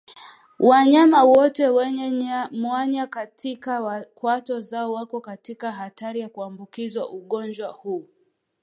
Wanyama wote wenye mwanya katika kwato zao wako katika hatari ya kuambukizwa ugonjwa huu